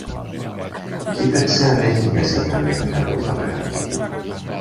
κοίταξε αν έχει μέσα κανένα καλό φαγάκι.